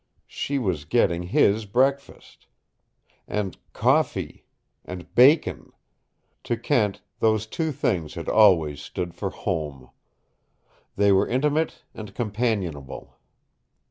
She was getting HIS breakfast! And coffee and bacon To Kent those two things had always stood for home. They were intimate and companionable.